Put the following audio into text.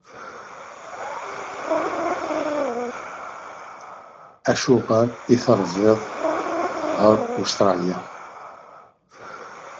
Acuɣer i terziḍ ɣer Ustṛalya?